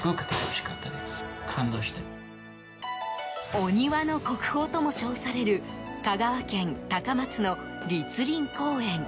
お庭の国宝とも称される香川県高松の栗林公園。